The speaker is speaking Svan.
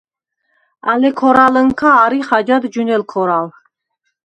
ალე ქორალჷნქა არიხ აჯაღ ჯვინელ ქორალ.